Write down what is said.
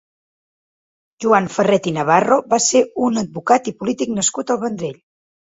Joan Ferret i Navarro va ser un advocat i polític nascut al Vendrell.